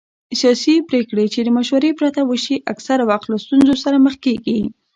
سیاسي پرېکړې چې د مشورې پرته وشي اکثره وخت له ستونزو سره مخ کېږي